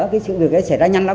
cái sự việc đó xảy ra nhanh lắm